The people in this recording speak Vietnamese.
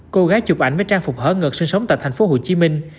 cô gái chụp ảnh với trang phục hở ngợp sinh sống tại thành phố hồ chí minh